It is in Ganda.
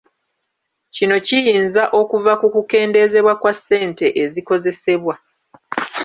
Kino kiyinza okuva ku kukendeezebwa kwa ssente ezikozesebwa.